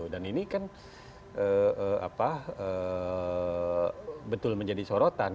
dan ini kan betul menjadi sorotan